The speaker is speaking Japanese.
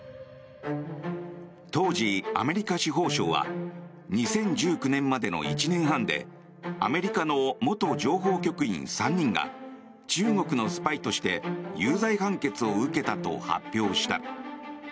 当時、アメリカ司法省は２０１９年までの１年半でアメリカの元情報局員３人が中国のスパイとして有罪判決を受けたと発表した。